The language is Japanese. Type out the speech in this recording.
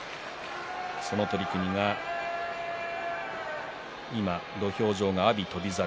その取組が今土俵上が阿炎、翔猿。